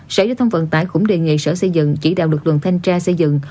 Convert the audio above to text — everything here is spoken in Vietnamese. sở giao thông vận tải cũng đề nghị sở xây dựng chỉ đạo lực lượng thanh tra xây dựng